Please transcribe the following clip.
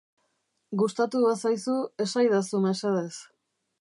Gustatu bazaizu, esaidazu mesedez.